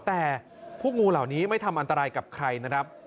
แต่พวกงูเหล่านี้ไม่ทำอันตรายกับใครนะครับ